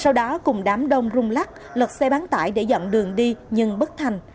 sau đó cùng đám đông rung lắc lật xe bán tải để dọn đường đi nhưng bất thành